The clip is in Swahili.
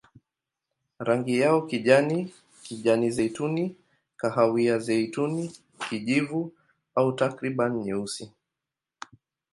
Rangi yao kijani, kijani-zeituni, kahawia-zeituni, kijivu au takriban nyeusi.